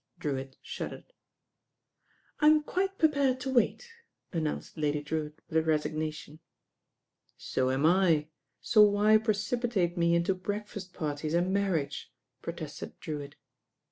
Drewitt shuddered. "I am quite prepared to wait," announced Lady Drewitt with resignation. "So am I, so why precipitate me into breakfast parties and marriage," protested Drewitt.